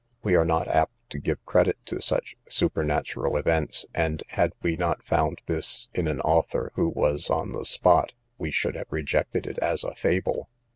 We are not apt to give credit to such supernatural events; and, had we not found this in an author who was on the spot, we should have rejected it as a fable.